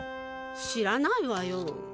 知らないわよぉ。